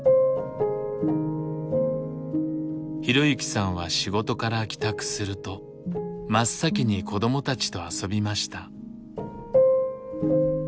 浩行さんは仕事から帰宅すると真っ先に子どもたちと遊びました。